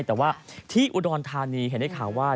แต่ว่าที่อุดรธานีเห็นได้ข่าวว่า